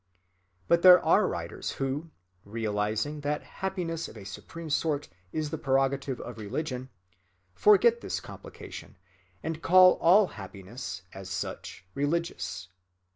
But there are writers who, realizing that happiness of a supreme sort is the prerogative of religion, forget this complication, and call all happiness, as such, religious.